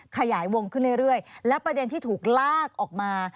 ขยายวงขึ้นเรื่อยและประเด็นที่ถูกลากออกมา